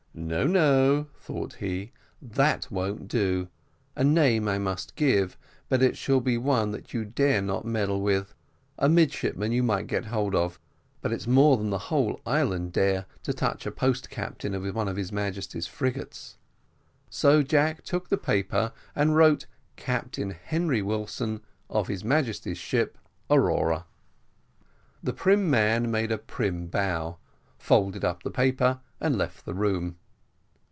"No, no," thought he, "that won't do; a name I must give, but it shall be one that you dare not meddle with. A midshipman you might get hold of, but it's more than the whole island dare to touch a post captain of one of his Majesty's frigates." So Jack took the paper and wrote Captain Henry Wilson, of his Majesty's ship Aurora. The prim man made a prim bow, folded up the paper, and left the room.